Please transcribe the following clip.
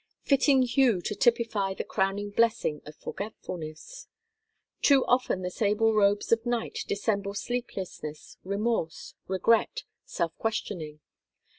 Fitting hue to typify the crowning blessing of forgetfulness! Too often the sable robes of night dissemble sleeplessness, remorse, regret, self questioning.